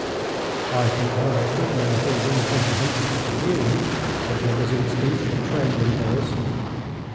"I think there are a good many things incomprehensible to you," said Rogozhinsky, with a trembling voice.